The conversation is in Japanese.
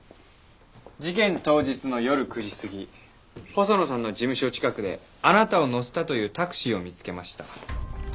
事件当日の夜９時過ぎ細野さんの事務所近くであなたを乗せたというタクシーを見つけました。